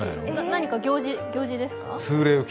何か行事ですか？